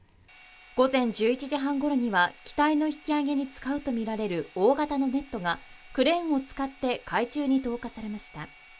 午前１１時半ごろには機体の引き揚げに使うとみられる大型のネットがクレーンを使って海中に投下されました。